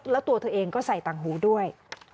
แล้วตัวเธอเองก็ใส่ต่างหูด้วย